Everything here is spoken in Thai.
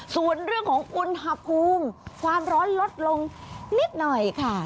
ส่วนเรื่องของอุณหภูมิความร้อนลดลงนิดหน่อยค่ะ